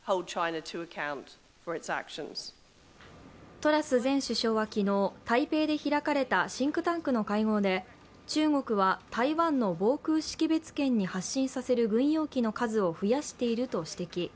トラス前首相は昨日、台北で開かれたシンクタンクの会合で、中国は台湾の防空識別圏に発進させる軍用機の数を増やしていると指摘。